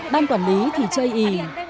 ban quản lý thì chơi ý